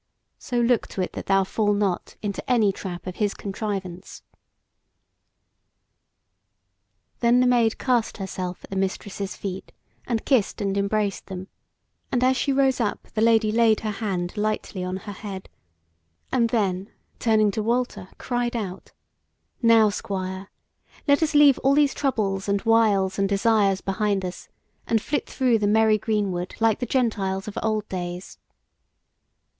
So look to it that thou fall not into any trap of his contrivance." Then the Maid cast herself at the Mistress's feet, and kissed and embraced them; and as she rose up, the Lady laid her hand lightly on her head, and then, turning to Walter, cried out: "Now, Squire, let us leave all these troubles and wiles and desires behind us, and flit through the merry greenwood like the Gentiles of old days."